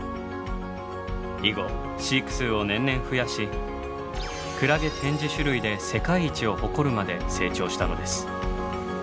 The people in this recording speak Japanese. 以後飼育数を年々増やしクラゲ展示種類で世界一を誇るまで成長したのです。